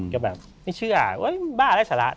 ก็แบบไม่เชื่อบ้าและฉลาด